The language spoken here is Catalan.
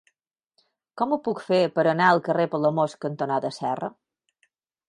Com ho puc fer per anar al carrer Palamós cantonada Serra?